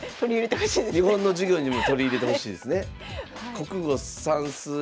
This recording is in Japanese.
日本の授業にも取り入れてほしいですね。